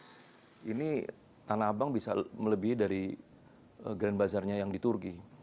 dan ini tanah abang bisa melebihi dari grand bazaar yang diturgi